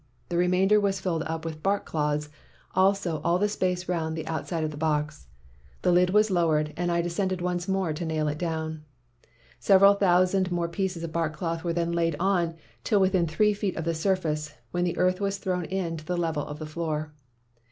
The remainder was filled up with bark cloths, as also all the space round the out side of the box. The lid was lowered, and I descended once more to nail it down. Several thousand more pieces of bark cloth were then laid on till within three feet of the surface, when earth was thrown in to the level of the floor.